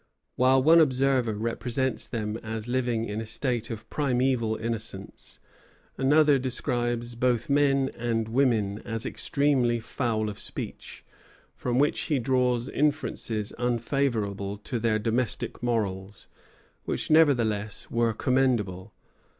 While one observer represents them as living in a state of primeval innocence, another describes both men and women as extremely foul of speech; from which he draws inferences unfavorable to their domestic morals, [Footnote: Journal de Franquet, Part II.] which, nevertheless, were commendable.